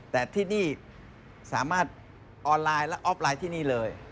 แต่ที่นี่สามารถออนไลน์และออฟไลน์ที่นี่เลย